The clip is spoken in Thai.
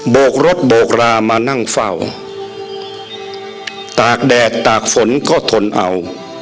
กรถโบกรามานั่งเฝ้าตากแดดตากฝนก็ทนเอา